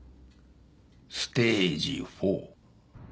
ステージⅣ。